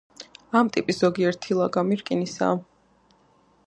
ამ ტიპის ზოგიერთი ლაგამი რკინისაა.